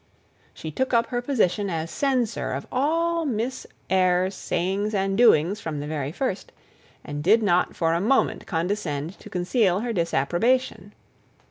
She took up her position as censor of all Miss Eyre's sayings and doings from the very first, and did not for a moment condescend to conceal her disapprobation.